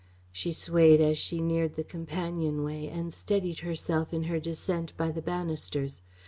She swayed as she neared the companionway and steadied herself in her descent by the banisters.